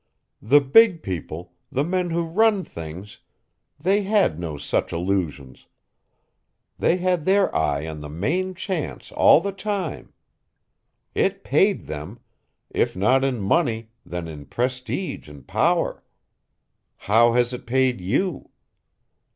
The big people, the men who run things, they had no such illusions; they had their eye on the main chance all the time. It paid them if not in money then in prestige and power. How has it paid you?